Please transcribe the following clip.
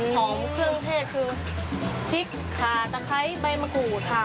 ของเครื่องเทศคือพริกขาตะไคร้ใบมะกรูดค่ะ